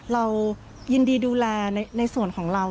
เรายินดีดูแลในส่วนของเรา